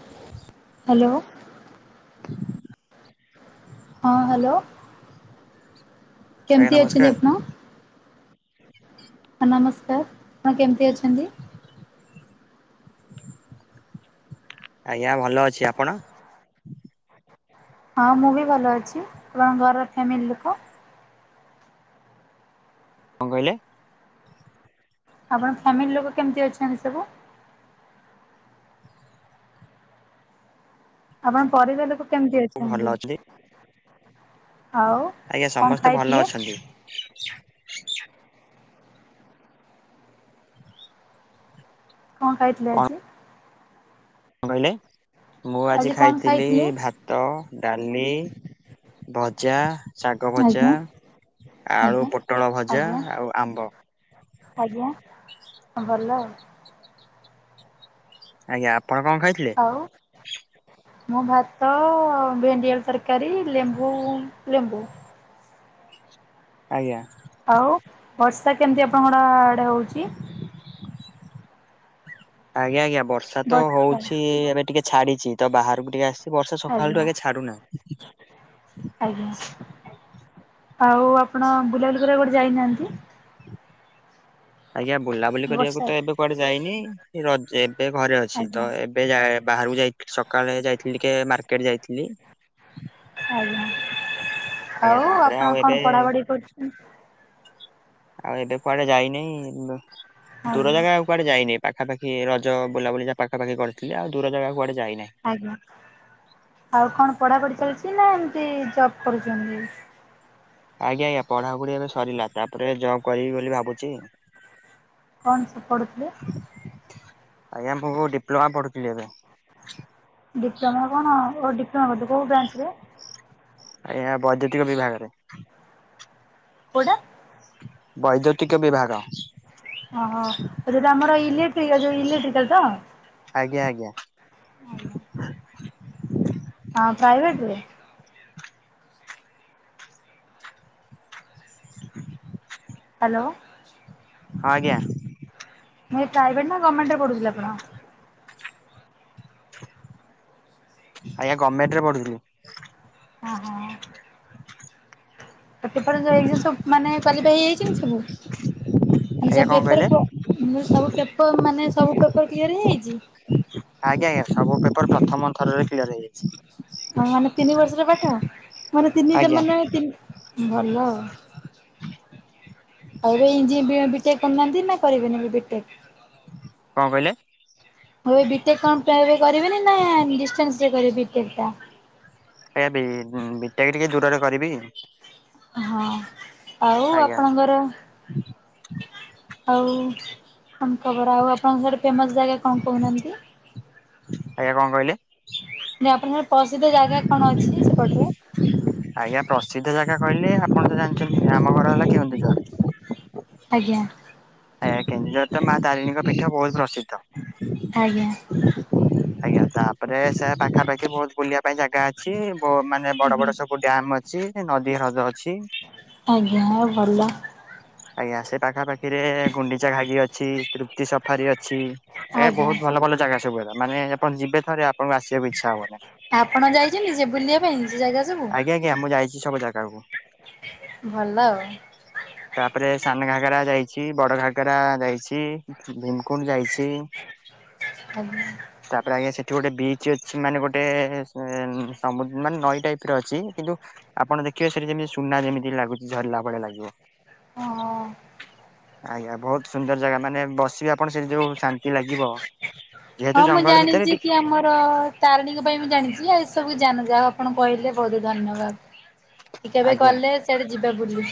[inaudible] Hello. [inaudible] ହଁ hello. ଆଜ୍ଞା କେମିତି ଅଛନ୍ତି ନମସ୍କାର ଆପଣ ହଁ ନମସ୍କାର ଆପଣ କେମିତି ଅଛନ୍ତି। ଆଜ୍ଞା ଭଲ ଅଛି ଆପଣ। ହଁ ମୁଁ ବି ଭଲ ଅଛି ଆପଣଙ୍କ ଘରର ଫ୍ୟାମିଲି ଲୋକ। କଁ କହିଲେ। ଆପଣଙ୍କ ଫ୍ୟାମିଲି ଲୋକ କେମିତି ଅଛନ୍ତି ସବୁ। ଆପଣଙ୍କ ପରିବାର ଲୋକ କେମତି ଅଛନ୍ତି ଆଉ। ଆଜ୍ଞା କଣ ସମସ୍ତେ ଭଲ ଖାଇଥିଲେ? ଅଛନ୍ତି। କଁ ଖାଇଥିଲେ ଆଜି। କଁ କହିଲେ ମୁଁ ଆଜି କଣ ଖାଇଥିଲି ଖାଇଥିଲେ ଭା ଭାତ ଡାଲି ଭଜା। ଶାଗ ଆଜ୍ଞା ଭଜା ଆଳୁ ଆଜ୍ଞା। ପୋଟଳ ଭଜା ଆଜ୍ଞା ଆଉ ଆମ୍ବ। ଆଜ୍ଞା ହଁ ଭଲ। ଆଜ୍ଞା ଆପଣ କଣ ଖାଇଥିଲେ। ଆଉ। ମୁଁ ଭାତ ଭେଣ୍ଡିଆଳୁ ତରକାରୀ ଲେମ୍ବୁ ଲେମ୍ବୁ। ଆଜ୍ଞା। ଆଉ ବର୍ଷା କେମିତି ଆପଣଙ୍କର ଆଡେ ହଉଛି। ଆଜ୍ଞା ଆଜ୍ଞା ବର୍ଷା ତ ହଉଛି ଏବେ ଟିକେ ଛାଡିଛି ତ ବାହାରକୁ ଟିକେ ଆସି। ଏ ବର୍ଷା ସକାଳଠୁ ଆଜ୍ଞା ଆଗେ ଛାଡ଼ୁନା। ଆଜ୍ଞା ଆଉ ଆପଣ ବୁଲାବଲିୁ କରିବାକୁ କୁଆଡେ ଯାଇ ନାହାନ୍ତି। [inaudible] ଆଜ୍ଞା ବୁଲାବୁଲି କରିବାକୁ ବର୍ଷା ତ ଏବେ କୁଆଡେ ଯାଇନି ରଜ ଏବେ ଘରେ ଅଛି ଆଜ୍ଞା ତ ଏବେ। ଏବେ ଯା ବାହାରକୁ ଯାଇ ସକାଳେ ଯାଇଥିଲି ଟିକେ ମାର୍କେଟ ଯାଇଥିଲି। ଆଜ୍ଞା ଆଜ୍ଞା ତପରେ ଆଉ ଏବେ। ଉଁ। ଆଉ ଏବେ କୁଆଡେ ଯାଇନି ଦୂର ଆଜ୍ଞା ଜାଗା ଆଉ। କୁଆଡେ ଯାଇନେଇି ପାଖାପଖି ରଜ ବୁଲାବୁଲି ଯା ପାଖାପଖି କରିଥିଲି ଆଉ ଦୂର ଜାଗା କୁଆଡେ ଯାଇନାଇ। ଆଜ୍ଞା ଆଉ କଣ ପଢାପଢି ଚାଲିଛି ନା ଏମତି ଜବ କରୁଛନ୍ତି। ଆଜ୍ଞା ଆଜ୍ଞା ପଢାପଢି ଏବେ ସରିଲା ତାପରେ ଜବ୍ କରିବି ବୋଲି ଭାବୁଛି। କଣ ସବୁ ପଢୁଥିଲେ। ଆଜ୍ଞା ମୁଁ ଡିପ୍ଲୋମା ପଢୁଥିଲି ଏବେ। ଡିପ୍ଲୋମା କଣ ଓ ଡିପ୍ଲୋମା କରୁଥିଲେ କୋଉ ବ୍ରାଞ୍ଚ ରେ। ଆଜ୍ଞା ବୈଦ୍ୟୁତିକ ବିଭାଗରେ। କୋଉଟା। ବୈଦ୍ୟୁତିକ ବିଭାଗ। ଓ ହୋ ଆଉ ଯୋଉଟା ଆମର ଇଲେକ୍ଟ୍ରିକାଲ୍, ଯୋଉ ଇଲେକ୍ଟ୍ରିକାଲ୍ ତ? ଆଜ୍ଞା ଆଜ୍ଞା। ଆଜ୍ଞା। ହଁ ପ୍ରାଇଭେଟରେ? ହ୍ୟାଲୋ। ଆଜ୍ଞା। ଯୋଉ ପ୍ରାଇଭେଟ୍ ନା ଗଭମେଣ୍ଟରେ କରୁଥିଲେ ଆପଣ? ଆଜ୍ଞା ଗମେଣ୍ଟ ରେ ପଢୁଥିଲୁ। ଓ ହୋ। ପେପର ଏ ସବୁ ମାନେ କ୍ଵାଲିଫାଇ ହେଇଯାଇଛନ୍ତି ସବୁ, ମାନେ ଆଜ୍ଞା ସବୁ କଣ କହିଲେ ପେପର ମାନେ ସବୁ ପେପର ମାନେ ସବୁ ପେପର କ୍ଲିୟର ହେଇଯାଇଛି? ଆଜ୍ଞା ଆଜ୍ଞା ସବୁ ପେପର ପ୍ରଥମ ଥରରେ କ୍ଲିୟର ହେଇଯାଇଛି। ହଁ ମାନେ ତିନି ବର୍ଷର ପାଠ, ମାନେ ତିନି ଦ ଆଜ୍ଞା ମାନେ ଭଲ ଆଉ। ଆଉ ଯୋଉ ଇଞ୍ଜି ବି ଟେକ୍ କରୁନାହାନ୍ତି ନା କରିବେନି ବି ଟେକ୍? କଣ କହିଲେ? ହଁ ଏ ବି ଟେକ୍ କଣ ଏବେ କରିବେନି ନା ଡିଷ୍ଟାନ୍ସ ରେ କରିବେ ବି ଟେକ୍ ଟା? ଏ ବି ବି ଟେକ୍ ଟିକେ ଦୂରରେ କରିବି। ହଁ ଆଉ ଆଜ୍ଞା ଆପଣଙ୍କର ଆଉ ଆମ ଖବର, ଆଉ ଆପଣଙ୍କ ଆଡେ ଫେମସ ଜାଗା କଣ କହୁନାହାନ୍ତି? ଆଜ୍ଞା କଣ କହିଲେ? ଆପଣଙ୍କର ପ୍ରସିଦ୍ଧ ଜାଗା କଣ ଅଛି ସେପଟରେ? ଆଜ୍ଞା ପ୍ରସିଦ୍ଧ ଜାଗା କହିଲେ, ଆପଣ ତ ଜାଣିଛନ୍ତି ଆମ ଘର ହେଲା କେନ୍ଦୁଝର। ଆଜ୍ଞା। ଆଜ୍ଞା କେନ୍ଦୁଝର ଟା ମା ତାରିଣୀଙ୍କ ପୀଠ ବହୁତ ପ୍ରସିଦ୍ଧ। ଆଜ୍ଞା। ଆଜ୍ଞା ତା ତାପରେ ସେ ପାଖାପାଖି ବହୁତ ବୁଲିଆ ପାଇଁ ଜାଗା ଅଛି। ବ ମାନେ ବଡ ଆଜ୍ଞା ବଡ ସବୁ ଡ୍ୟାମ୍ ଅ ଅଛି, ନଦୀ ହ୍ରଦ ଅଛି। ଆଜ୍ଞା ଆଉ ଭଲ। ଆଜ୍ଞା ସେ ପାଖାପାଖିରେ ଗୁଣ୍ଡିଚା ଘାଗି ଅଛି, ତୃପ୍ତି ସଫାରି ଅଛି। ଆଜ୍ଞା ବହୁତ ଭଲ ଭଲ ଜାଗା ସବୁ, [unintelligible] ମାନେ ଆପଣ ଯିବେ ଥରେ ଆପଣଙ୍କୁ ଆସିବାକୁ ଇଚ୍ଛା ହବନି। ଆପଣ ଯାଇଛନ୍ତି, ସେ ବୁଲିବା ପାଇଁ ସେ ଜାଗା ସବୁ ଆଜ୍ଞା ଆଜ୍ଞା ମୁଁ ଯାଇଛି ସବୁ ଜାଗାକୁ। ଭଲ ଆଉ ତାପରେ ସାନ ଘାଗେରା ଯାଇଛି, ବଡଘାଗେରା ଯାଇଛି, ଭିମକୁଣ୍ଡ ଯାଇ ଛି। ଆଜ୍ଞା। ତାପରେ ଆଜ୍ଞା ସେଠି ଗୋଟେ ବିଚ ଅଛି, ମାନେ ଗୋଟେ ସମୁ ମାନେ ନଈ ଟାଇପ୍ ର ଅଛି, କିନ୍ତୁ ଆପଣ ଦେଖିବେ ସେଠି ଯେମିତି ସୁନା ଯେମିତି ଲାଗୁଛି ଝରିଲା ଭଳିଲା ଲାଗିବ। ହଁ ଆଜ୍ଞା ବହୁତ ସୁନ୍ଦର ଜାଗା ମାନେ ବସିବା ଆପଣ ସେ ଯୋଉ ଶାନ୍ତି ଲାଗିବ, ହଁ ଯେହେତୁ ମୁଁ ଜଙ୍ଗଲ ଜାଣିଛି ଭିତରେ କି ଟିକେ ଆମର ତାରିଣୀଙ୍କ ପାଇଁ ମୁଁ ଜାଣିଛି, ଆଉ ଏ ସବୁ ଯାନ ଯାହା ଆପଣ କହିଲେ ବହୁତ ଧନ୍ୟବାଦ। କେବେ ଆଜ୍ଞା ଗଲେ ସିଆଡେ ଯିବା ବୁଲି,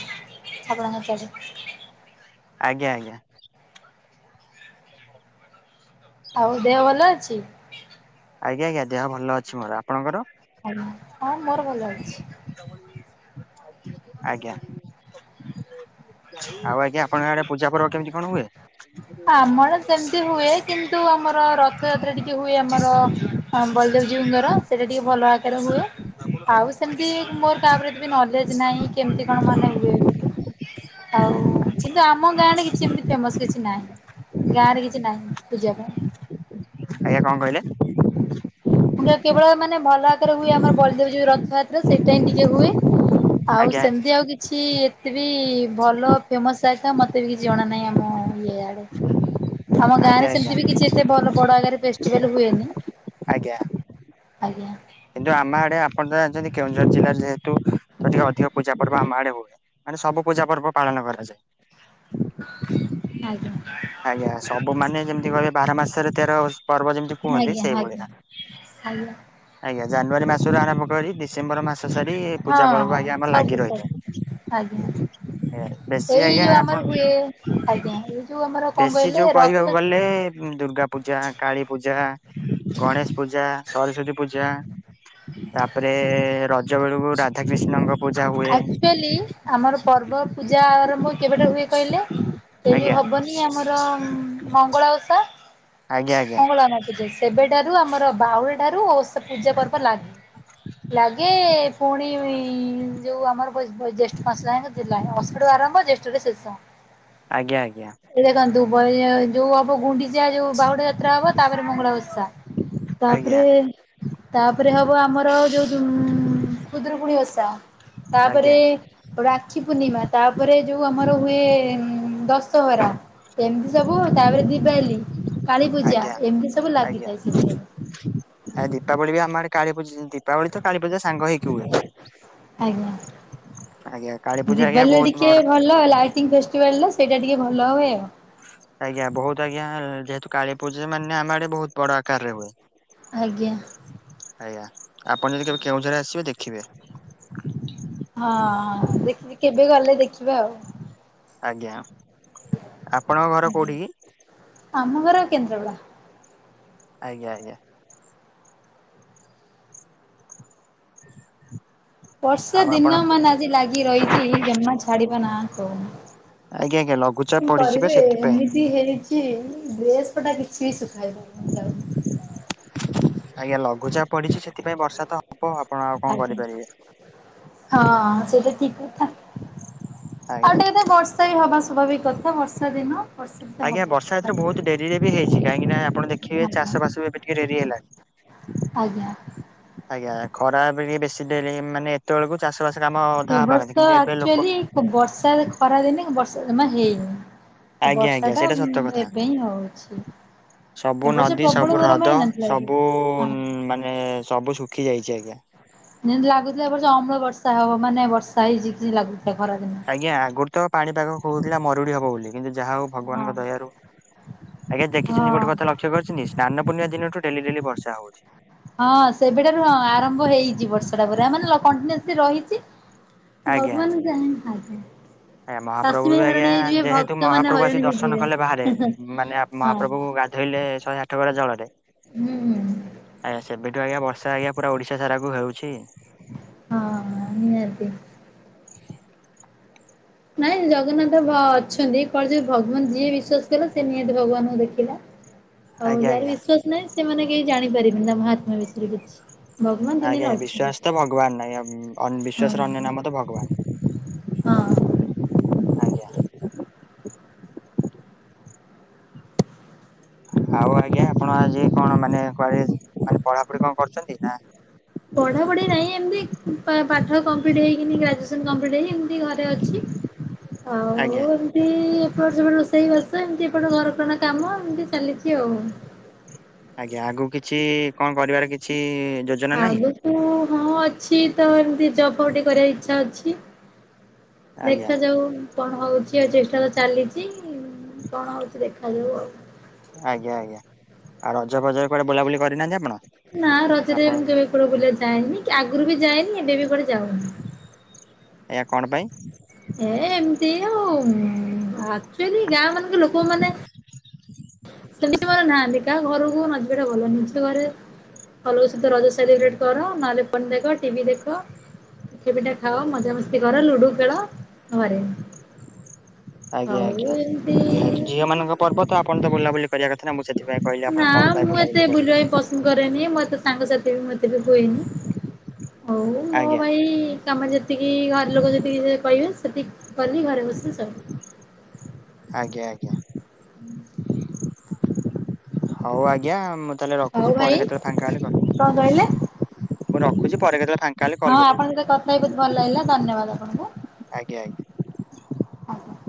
ଆପଣଙ୍କ ସିଆଡେ। ଆଜ୍ଞା ଆଜ୍ଞା। ଆଉ ଦେହ ଭଲ ଅଛି? ଆଜ୍ଞା ଆଜ୍ଞା ଦେହ ଭଲ ଅଛି। ମୋର ଆପଣଙ୍କର? ହଁ ମୋର ଭଲ ଅଛି। ଆଜ୍ଞା। ଆଉ ଆଜ୍ଞା ଆପଣଙ୍କ ଆଡେ ପୂଜା ପର୍ବ କେମିତି କଣ ହୁଏ? ଆମର ସେମିତି ହୁଏ କିନ୍ତୁ ଆମ ର ରଥଯାତ୍ରା ଟିକେ ହୁଏ ଆମର ବଲଦେବଜୀଙ୍କର ସେଇଟା ଟିକିଏ ଭଲ ଆକାରରେ ହୁଏ। ଆଉ ସେମିତି ମୋର କାହା ଉପରେ କିଛି ନଲେଜ ନାହିଁ କେମିତି କଣ ମାନେ ହୁଏ ବୋଲି। ଆଉ କିନ୍ତୁ ଆମ ଗାଁରେ କିଛି ଏମିତି ଫେମସ କିଛି ନାହିଁ। ଗାଁ ରେ କିଛି ନାହିଁ ପୂଜା ପାଇଁ। ଆଜ୍ଞା କଣ କହିଲେ? କେବଳ ମାନେ ଭଲ ଆକାରେ ହୁଏ ଆମର ବଳଦେବ ଯୋଉ ରଥଯାତ୍ର ସେଇଟାହି ଟିକେ ହୁଏ। ଆଉ ଆଜ୍ଞା ଆଜ୍ଞା। ସେମିତି ଆଉ କି ଛି ଏତେ ବି ଭଲ ଫେମସ୍ ଆଇଟମ ମତେ ବି କିଛି ଜଣା ନାହିଁ। ଆମ ଇଏ ଆଡେ। ଆମ ଗାଁ ଆଜ୍ଞା ରେ ଆଜ୍ଞା ସେମିତି ବି କିଛି ଏତେ ଭଲ ବଡ ଆଗରେ ଫେଷ୍ଟିଭାଲ ହୁଏନି। ଆଜ୍ଞା। ଆଜ୍ଞା। କିନ୍ତୁ ଆମ ଆଡେ ଆପଣ ଜାଣିଛନ୍ତି କେଉଁଝର ଜିଲ୍ଲାରେ ଯେହେତୁ ଟିକେ ଅଧିକ ପୂଜା ପର୍ବ ଆମ ଆଡେ ହୁଏ। ମାନେ ସବୁ ପୂଜା ପର୍ବ ପାଳନ କରାଯାଏ। ଆଜ୍ଞା। ଆଜ୍ଞା। ସବୁ ମାନେ ଯେମିତି କହିବେ ବାର ମାସରେ ତେର ଓଷ- ଆଜ୍ଞା ଆଜ୍ଞା ଆଜ୍ଞା। ଆଜ୍ଞା ଜାନୁଆରୀ ମାସରୁ ଆରମ୍ଭ କରିି ଡିସ୍ ସେମ୍ବର ମାସ ସରିି ପୂଜା ହଁ ପର୍ବ ହଁ ଆଜ୍ଞା ଆମର ସବୁ ଲାଗି ସବୁ ଆଜ୍ଞା ରହିଥାଏ। ହେ ବେଶୀ ଏଇ ଆଜ୍ଞା ଯୋଉ ଆମର ଆପଣ ହୁଏ ଆଜ୍ଞା। [unintelligible] କଣ ବେଶୀ କହିଲେ ଯୋଉ ରଥ କହିବାକୁ ଗଲେ ଦୁର୍ଗା ପୂଜା କାଳୀ ପୂଜା ଗଣେଶ ପୂଜା ସରସ୍ଵତୀ ପୂଜା ତାପରେ ରଜ ବେଳକୁ ରାଧା କୃିଷ୍ଣଙ୍କ ପୂଜା ହୁଏ। ଥେଲି ଆମର ପର୍ବ ପୂଜା ଆରମ୍ଭ କେବେଠାରୁ ହୁଏ କହିଲେ? ସେ ଯୋଉ ଆଜ୍ଞା। ହବନି ଆମର ମଙ୍ଗଳା ଓଷା ଆଜ୍ଞା ଆଜ୍ଞା ମଙ୍ଗଳା ନାଚଚେ। ସେବେଠାରୁ ଆମର ବାଉରି ଠାରୁ ଓଷା ପୂଜା ପର୍ବ ଲାଗେ। ଲାଗେ ପୁଣି ଯୋଉ ଆମର ବୈଶ ଜେଷ୍ଠ ମାସ ଯାଏଁ ଯିଲାଏ। ଅଶ [unintelligible] ଆରମ୍ଭ ଜେଷ୍ଠରେ ଶେଷ। ଆଜ୍ଞା ଆଜ୍ଞା। ଏଇଟା କଣ ଦୁବ ଏ ଯୋଉ ହବ ଗୁଣ୍ଡିଚା ଯୋଉ ବାହୁଡା ଯାତ୍ରା ହବ ତାପରେ ମଙ୍ଗଳା ଓଷା। ଆଜ୍ଞା ତାପରେ ତାପରେ ହବ ଆମର ଯୋଉ ଦୁମ ଖୁଦୁରୁକୁୁଣୀ ଓଷା। ଆଜ୍ଞା ତାପରେ ଆଜ୍ଞା ରାକ୍ଷୀ ପୂର୍ଣ୍ଣିମା ତାପରେ ଯୋଉ ଆମର ହୁଏ ଉଁ ଦଶହରା। ଏମିତି ସବୁ ତାପରେ ଦିବାଲି। ଆଜ୍ଞା ଆଜ୍ଞା। ସବୁଠାରେ। ଆ ଦୀପାବଳି ବି ଆମର କାଳୀପୂଜ ଦୀପାବଳି ତ କାଳୀପୂଜା ସାଙ୍ଗ ହେଇକି ହୁଏ। ଆଜ୍ଞା ଆଜ୍ଞା। କାଳୀପୂଜା ଆଜ୍ଞା ଦିିବାଲିରେ ବହୁତ ବଡ [inaudible] ଲାଇଟିଂ ଫେଷ୍ଟିଭାଲ ସେଇଟା ଟିକେ ଭଲ ହୁଏ ଆଉ। ଆଜ୍ଞା ବହୁତ ଆଜ୍ଞା ଯେହେତୁ କାଳୀ ପୂଜା ମାନେ ଆମ ଆଡେ ବହୁତ ବଡ ଆକାରରେ ହୁଏ। ଆଜ୍ଞା। ଆଜ୍ଞା। ଆପଣ ଯଦି କେବେ କେଉଁଝର ଆସିବେ ଦେଖିବେ। ହଁ- ହଁ ଦେଖି କେବେ ଗଲେ ଦେଖି ଆଜ୍ଞା। ଆପଣଙ୍କ ଘର ଆଜ୍ଞା। କଉଠି କି? ଆମ ଘର କେନ୍ଦ୍ରାପଡା। ଆଜ୍ଞା -ଆଜ୍ଞା। ବର୍ଷା ଆଉ ଆପଣ ଦିନ ମାନ୍ ଆଜି ଲାଗି ରହିଚି ଜମା ଛାଡିବା ନା କହୁନି। ଆଜ୍ଞା -ଆଜ୍ଞା ଲଘୁ କଣ କରିବେ ଏମିତି ହେଇଚି ଡ୍ରେସ୍ ପଟା କିଛି ବି ଶୁଖାଇ ପାରୁନି ଯାଉନି। ଆଜ୍ଞା ଲଘୁଚାପ ପଡିଚି ସେଥିପାଇଁ ବର୍ଷା ତ ହବ ଆପଣ ଆଉ କଣ ଆଜ୍ଞା। କରିପାରିବେ। ହଁ ସେଇଟା ଠିକ୍ କଥା। ଆଜ୍ଞା। ଆଉ ଟିକେ ଟିକେ ତ ବର୍ଷା ବି ହବା ସ୍ୱାଭାବିକ କଥା ବର୍ଷା ଦିନ। ବର୍ଷା ବି ତ ହବ। ଆଜ୍ଞା ବର୍ଷା ଏଥିରେ ଆଜ୍ଞା। ବହୁତ୍ ଡେରିରେ ବି ହେଇଚି କାହିଁକି ନା ଆପଣ ଦେଖିବେ ଚାଷବାସ ବି ଏବେ ଟିକେ ଡେରି ହେଲାଣି। ଆଜ୍ଞା। ଆଜ୍ଞା। ଖରା ଏବେ ଟିକେ ବେଶୀ ଡେରି ହେଇ ମାନେ ଏତେବେଳକୁ ଚାଷ ବାସ କାମ ଏ ଅଧା ହବା ବର୍ଷ କଥା କିନ୍ତୁ ଏବେ ଲୋକ ଆକ୍ଚୁଆଲି ବର୍ଷା ହେଲେ ଖରା ଦିନେ ବର୍ଷା ଜମା ହେଇନି। ତ ଆଜ୍ଞା ବର୍ଷା ଆଜ୍ଞା ଟା ସେଇଟା ସତ ଉଁ- କଥା ଏବେ ହିଁ ହଉଚି। ସବୁ ନଦୀ ସବୁ ହ୍ରଦ ହେଇନଥିଲା କି? ସବୁ ହଁ। ମାନେ ସବୁ ଶୁଖି ଯାଇଚି ଆଜ୍ଞା। ଯେମିତି ଲାଗୁଥିଲା ଏବର୍ଷ ଅମ୍ଳ ବର୍ଷା ହବ ମାନେ ବର୍ଷା ହେଇଚି କିଛି ଲାଗୁଥିଲା ଖରା ଦିନେ। ଆଜ୍ଞା ଆଗରୁ ତ ପାଣିପାଗ କହୁଥିଲା ମରୁଡି ହବ ବୋଲି କିନ୍ତୁ ଯାହା ହଉ ହଁ ଭଗବାନଙ୍କ ଦୟାରୁ ଆଜ୍ଞା ଦେଖିଚନ୍ତି ହଁ। ଗୋଟେ କଥା ଲକ୍ଷ୍ୟ କରିଚନ୍ତି ସ୍ନାନ ପୂର୍ଣିମା ଦିନଠୁ ଡେଲି ଡେଲି ବର୍ଷା ହଉଚି। ହଁ ସେବେ ଠାରୁ ହଁ ଆରମ୍ଭ ହେଇଚି ବର୍ଷାଟା ପୁରା ମାନେ ଲ- କଣ୍ଟିନସ୍ଲି ରହିଚି ଆଜ୍ଞା ଭଗବାନ୍ ଜାଣିଥାନ୍ତି। ଆଜ୍ଞା ମହାପ୍ରଭୁୁ ବି ଆଜ୍ଞା ଯେହେତୁ ଭକ୍ତ ମାନେ ମହାପ୍ରଭୁ ହଇରାଣ ଆସି ଦର୍ଶନ ହେଇଯିବେ। କଲେ ବାହାରେ ମାନେ ଆ- ହଁ ମହାପ୍ରଭୁଙ୍କୁ ଗା ଧେଇଲେ ଶହେ ଆଠ ଗରା ଜଳରେ ହୁଁ- ହୁଁ। ଆଜ୍ଞା ସେବେଠୁ ଆଜ୍ଞା ବର୍ଷା ଆଜ୍ଞା ପୁରା ଓଡିଶା ସାରାକୁ ହେଉଛି। ହଁ- ହଁ ନିହାତି। ନାଇଁ ଜଗନ୍ନାଥ ଭ- ଅଛନ୍ତି କଳି ଯୁଗ ଭଗବାନ ଯିଏ ବିଶ୍ଵାସ କଲା ସେ ନିହାତି ଭଗବାନଙ୍କୁ ଦେଖିଲା। ହଉ ଆଜ୍ଞା ଯାହାର ଆଜ୍ଞା। ବିଶ୍ଵାସ ନାହିଁ ସେମାନେ କେହି ଜାଣିପାରିବେନି ତା ମାହାତ୍ମା ବିଷୟରେ କିଛି। ଭଗବାନ ଆଜ୍ଞା ଦୁନିଆରେ ଅଛନ୍ତି ବିଶ୍ଵାସ ତ ଭଗବାନ୍ ନାହିଁ ଆଉ ଅନ୍- ବିଶ୍ୱାସର ଅନ୍ୟ ହଁ। ନାମ ତ ଭଗବାନ୍। ହଁ। ଆଜ୍ଞା। ଆଉ ଆଜ୍ଞା ଆପଣ ଆଜି କଣ ମାନେ କୁଆଡେ ମାନେ ପଢାପଢି କଣ କରିଚନ୍ତି ନା ପଢ଼ାପଢ଼ି ନାହିଁ ଏମତି ପାଠ କମ୍ପ୍ଲିଟ୍ ହେଇକିନି ଗ୍ରାଜ୍ୟୁଏସନ୍ କମ୍ପ୍ଲିଟ୍ ହେଇ ଏମିତି ଘରେ ଅଛି। ଆଉଲ୍ ଆଜ୍ଞା ଏମିତି ଏପଟ ସେପଟ ରୋଷେଇବାସ ଏମିତି ଏପଟ ଘରକରଣା କାମ ଏମିତି ଚାଲିଚି ଆଉ। ଆଜ୍ଞା ଆଗକୁ କିଛି କଣ କରିବାର କିଛି ଯୋ ଆଗକୁ ହଁ ଅଛି ତ ଏମତି ଜବ୍ ଫବ୍ ଟିକେ କରିବାର ଇଛା ଅଛି। ଆଜ୍ଞା ଦେଖାଯାଉ‌ କଣ ହଉଚି ଆଉ ଚେଷ୍ଟା ତ ଚାଲିଚି କଣ ହଉଚି ଦେଖାଯାଉ ଆଉ। ଆଜ୍ଞା -ଆଜ୍ଞା ଆଉ ରଜ ଫଜରେ କୁଆଡେ ବୁଲାବୁଲି କରିନାହାନ୍ତି ଆପଣ? ନା ରଜରେ ଆପଣ ମୁଁ କେବେ କୁଆଡେ ବୁଲିବାକୁ ଯାଏନି କି ଆଗରୁ ବି ଯାଏନି ଏବେ ବି କୁଆଡେ ଯାଉନି। ଏୟା କଣ ପାଇଁ? ଏ- ଏମିତି ଆଉ ଆକ୍ଚୁଆଲି ଗାଁ ମାନଙ୍କ ଲୋକ ମାନେ ସେମିତି ମୋର ନାହାନ୍ତି। କାହା ଘରକୁ [unintelligible] ଭଲ ନୁହଁ। ନିଜ ଘରେ ଘର ଲୋକ ସହିତ ରଜ ସେଲିବ୍ରେଟ କର, ନହେଲେ ଫୋନ୍ ଦେଖ, ଟିଭି ଦେଖ। ପିଠା ପିଠା ଖାଅ, ମଜାମସ୍ତି କର, ଲୁଡୁ ଖେଳ ଘରେ। ଆଜ୍ଞା ଆଉ ଆଜ୍ଞା। ଏମିତି ଯେହେତୁ ଝିଅ ମାନଙ୍କ ପର୍ବ ତ ଆପଣ ତ ବୁଲାବୁଲି କରିବା କଥା ନା। ମୁଁ ସେଥିପାଇଁ କହିଲି ନା ଆପଣ କଣ ପାଇଁ ମୁଁ ଏତେ ବୁଲାୁବୁଲି କରୁ ବୁଲିବା ବି ପସନ୍ଦ କରେନି, ମୋ ସାଙ୍ଗସାଥି ବି ମୋତେ ବି ହୁଏନି। ହଉ ମୋ ଆଜ୍ଞା। ଭାଇ କାମ ଯେତିକି ଘର ଲୋକ ଯେତିକି କହିବେ ସେତିକି କଲି। ଘରେ ବସିଲି ସଇଲା। ଆଜ୍ଞା ଆଜ୍ଞା। ହୁଁ। ହଉ ଆଜ୍ଞା ମୁଁ ତାହେଲେ ହଉ ରଖୁଛି। ଭାଇ ପରେ କେତେବେଳେ ଫାଙ୍କା ହେଲେ କଣ କହିଲେ କରିବି। ମୁଁ ରଖୁଛି ପରେ କେତେବେଳେ ଫାଙ୍କ ହଁ ଆପଣଙ୍କ ସହିତ କଥା ହେଇ ବହୁତ ଭଲ ଲାଗିଲା ଧନ୍ୟବାଦ ଆପଣଙ୍କୁ। ଆଜ୍ଞା ଆଜ୍ଞା। ଆଜ୍ଞା।